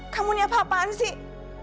kamu nih apa apaan sih